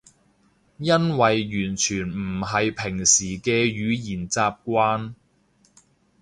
因為完全唔係平時嘅語言習慣